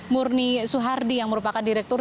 murni suhardi yang merupakan direktur